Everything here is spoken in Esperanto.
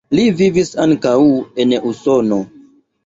Li vivis ankaŭ en Usono.